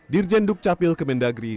dirjen duk capil kemendagri